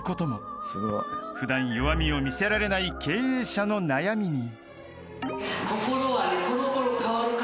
［普段弱みを見せられない経営者の悩みに］